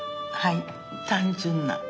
はい単純な。